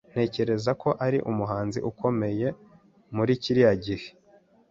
Ntekereza ko ari umuhanzi ukomeye muri kiriya gihe.